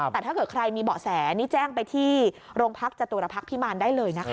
แต่ถ้าเกิดใครมีเบาะแสนี่แจ้งไปที่โรงพักจตุรพักษ์พิมารได้เลยนะคะ